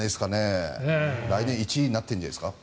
来年１位になってるんじゃないですか。